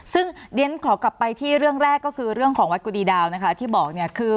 ซึ่งเด้นขอกลับไปที่เรื่องแรกก็คือเรื่องของวัดตุรีดาวที่บอก